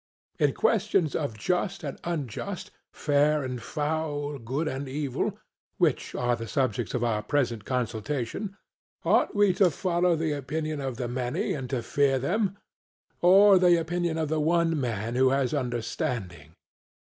In questions of just and unjust, fair and foul, good and evil, which are the subjects of our present consultation, ought we to follow the opinion of the many and to fear them; or the opinion of the one man who has understanding?